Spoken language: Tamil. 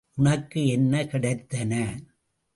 உனக்கு என்ன கிடைத்தன?